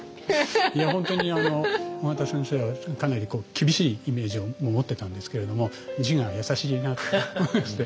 いや本当に緒方先生はかなり厳しいイメージを持ってたんですけれども字が優しいなと思いまして。